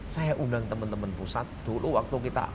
saya undang teman teman pusat dulu waktu kita